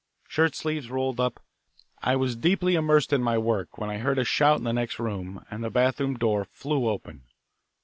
Shirt sleeves rolled up, I was deeply immersed in my work when I heard a shout in the next room, and the bathroom door flew open.